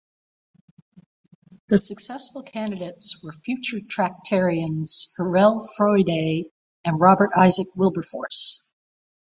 The successful candidates were future Tractarians Hurrell Froude and Robert Isaac Wilberforce.